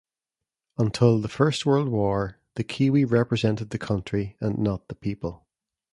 Until the First World War, the kiwi represented the country and not the people.